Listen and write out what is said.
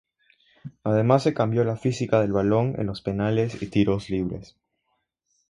Además se cambio la física del balón en los penales y tiros libres.